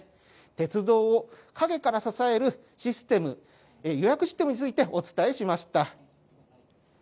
鉄道を陰から支えるシステム、予約システムについてお伝えしました。